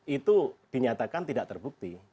itu dinyatakan tidak terbukti